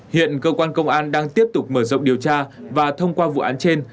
hiện cơ quan công an đang tiếp tục mở rộng điều tra và thông qua vụ án trên